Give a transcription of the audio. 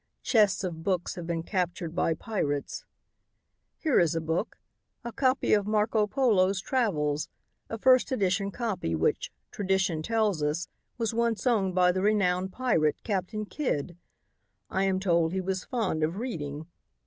Chests of books have been captured by pirates. "Here is a book, a copy of Marco Polo's travels, a first edition copy which, tradition tells us, was once owned by the renowned pirate, Captain Kidd. I am told he was fond of reading.